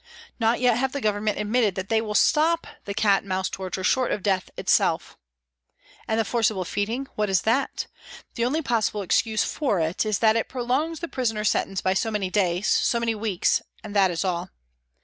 Not yet have the Government admitted that they will stop the " Cat and Mouse " torture short of death itself. And the forcible feeding what is that ? The only possible excuse for it is that it prolongs the prisoner's sentence by so many days, so many weeks, and that is all.